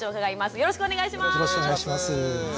よろしくお願いします。